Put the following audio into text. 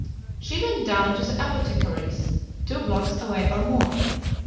She went down to the apothecary's, two blocks away or more.